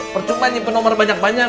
percuma nyimpen nomer banyak banyak